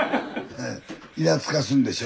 ねえいらつかすんでしょ？